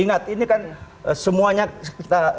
ingat ini kan semuanya